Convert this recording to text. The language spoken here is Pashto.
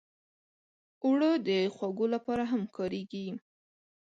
اوړه د خوږو لپاره هم کارېږي